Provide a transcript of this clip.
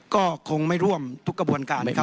ก็คงไม่ร่วมทุกกระบวนการนะครับ